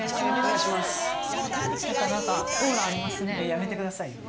やめてくださいよ。